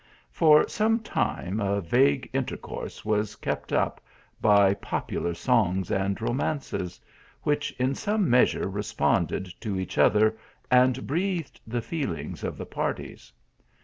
For some time a vague intercourse was kept up by popular songs and romances ; which in some measure responded to each other, and breathed the feelings of the parties.